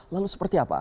lalu seperti apa